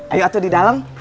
ayo atuh di dalam